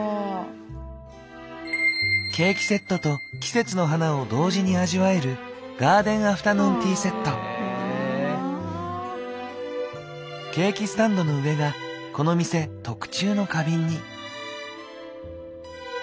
ケーキセットと季節の花を同時に味わえるケーキスタンドの上がこの店特注の花瓶に。